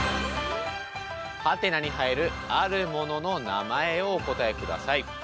はてなに入るあるものの名前をお答えください。